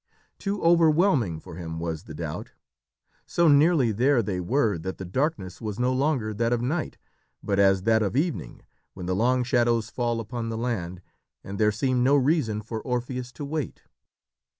Too overwhelming for him was the doubt. So nearly there they were that the darkness was no longer that of night, but as that of evening when the long shadows fall upon the land, and there seemed no reason for Orpheus to wait.